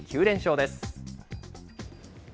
９連勝です。